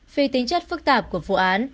vì tính chất phức tạp của vụ án